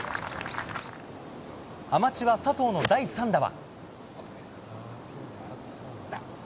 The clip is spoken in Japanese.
アマチュア、佐藤の第３打は。